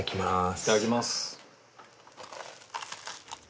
いただきます。